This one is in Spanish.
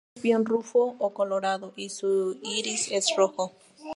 El macho es bien rufo o colorado, y su iris es rojo.